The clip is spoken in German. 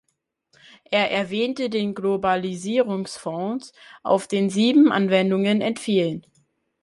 Er erwähnte den Globalisierungsfonds, auf den sieben Anwendungen entfielen.